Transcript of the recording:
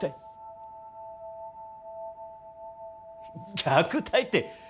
虐待って。